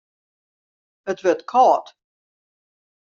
It wurdt kâld.